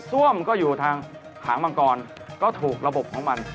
้วมก็อยู่ทางหางมังกรก็ถูกระบบของมัน